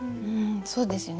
そうですよね。